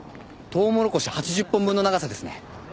トウモロコシ８０本分の長さですね。